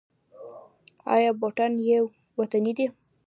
آیا بوټان یې وطني دي؟